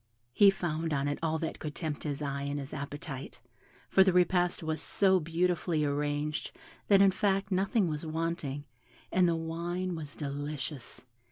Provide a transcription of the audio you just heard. He found on it all that could tempt his eye and his appetite, for the repast was so beautifully arranged, that in fact nothing was wanting, and the wine was delicious.